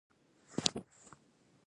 کلي د افغان کلتور سره تړاو لري.